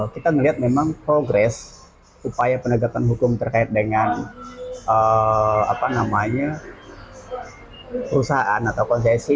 kita melihat memang progres upaya penegakan hukum terkait dengan perusahaan atau konsesi